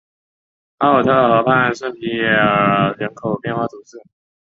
奥尔特河畔圣皮耶尔人口变化图示